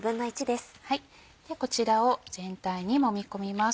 こちらを全体にもみ込みます。